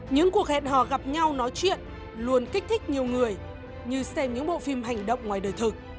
những cuộc hẹn hò gặp nhau nói chuyện luôn kích thích nhiều người như xem những bộ phim hành động ngoài đời thực